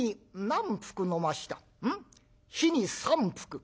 日に３服？